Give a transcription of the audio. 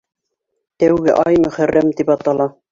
Тәүге ай Мөхәррәм тип атала.